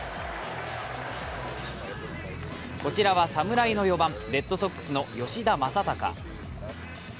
こちらは侍の４番、レッドソックスの吉田正尚。